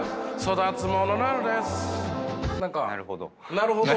なるほど。